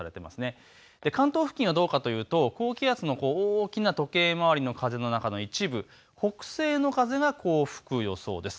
関東付近はどうかというと高気圧の大きな時計回りの風の中の一部、北西の風が吹く予想です。